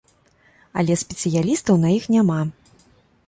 Але спецыялістаў на іх няма.